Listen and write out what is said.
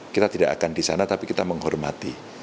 kita tidak akan di sana tapi kita menghormati